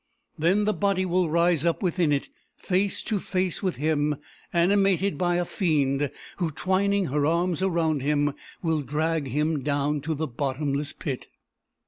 Then the body will rise up within it, face to face with him, animated by a fiend, who, twining her arms around him, will drag him down to the bottomless pit."